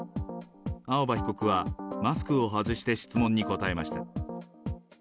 青葉被告は、マスクを外して質問に答えました。